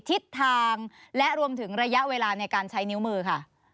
ทิศทางและรวมถึงระยะเวลาในการใช้นิ้วมือค่ะ